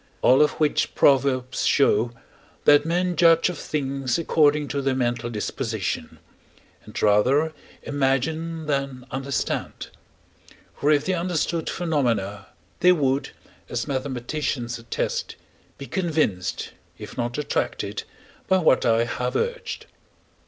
All of which proverbs show, that men judge of things according to their mental disposition, and rather imagine than understand: for, if they understood phenomena, they would, as mathematicians attest, be convinced, if not attracted, by what I have urged.